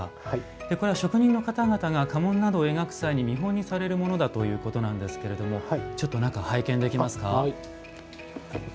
これは職人の方々が家紋などを描く際に見本にするものだということなんですけれどもちょっと中、拝見できますか？